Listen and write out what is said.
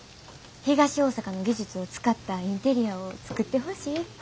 東大阪の技術を使ったインテリアを作ってほしいって。